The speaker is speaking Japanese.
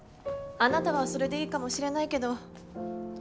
あなたはそれでいいかもしれないけど。